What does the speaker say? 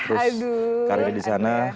terus karya disana